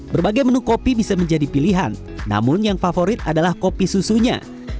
berbagai menu kopi bisa menjadi pilihan namun yang favorit adalah kopi susunya